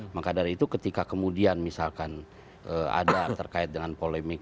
maka dari itu ketika kemudian misalkan ada terkait dengan polemik